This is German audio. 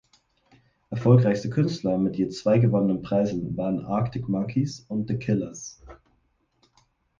Erfolgreichste Künstler mit je zwei gewonnenen Preisen waren Arctic Monkeys und The Killers.